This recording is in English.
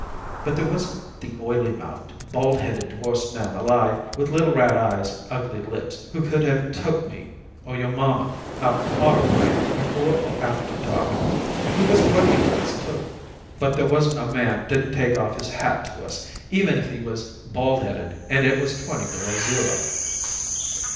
But there wasn't the oily mouthed, bald headed divorced man alive, with little rat eyes and ugly lips, who could have took me or your mamma out auto riding before or after dark. We was working girls, too, but there wasn't a man didn't take off his hat to us, even if he was bald headed and it was twenty below zero."